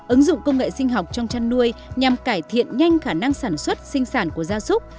ứng dụng công nghệ sinh học trong chăn nuôi nhằm cải thiện nhanh khả năng sản xuất sinh sản của gia súc